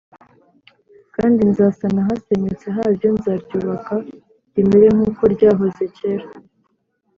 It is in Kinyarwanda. kandi nzasana ahasenyutse haryo, nzaryubaka rimere nk’uko ryahoze kera